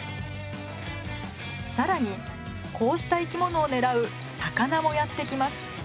更にこうした生き物を狙う魚もやって来ます。